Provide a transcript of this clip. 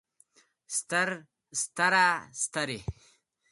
ستر ستره سترې